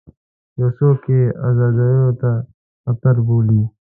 یو څوک یې ازادیو ته خطر بولي.